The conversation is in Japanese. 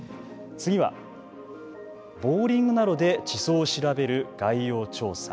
次はボーリングなどで地層を調べる概要調査。